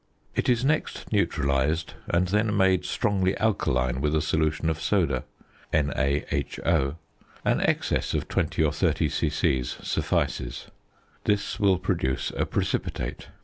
It is next neutralised and then made strongly alkaline with a solution of soda (NaHO); an excess of 20 or 30 c.c. suffices. This will produce a precipitate.